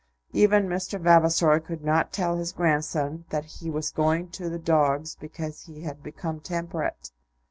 Even Mr. Vavasor could not tell his grandson that he was going to the dogs because he had become temperate.